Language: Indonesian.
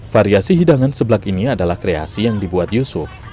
variasi hidangan seblak ini adalah kreasi yang dibuat yusuf